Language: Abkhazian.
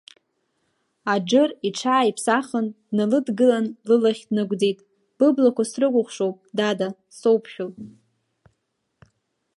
Аџыр иҽааиԥсахын, дналыдгылан лылахь днагәӡит, быблақәа срыкәыхшоуп, дада, соуԥшәыл…